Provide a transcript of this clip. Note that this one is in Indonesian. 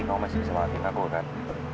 kamu masih bisa melatih aku kan